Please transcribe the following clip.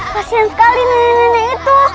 kasian sekali nenek itu